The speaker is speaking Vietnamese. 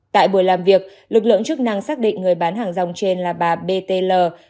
tại buổi làm việc lực lượng chức năng xác định người bán hàng rong trên là bà b t l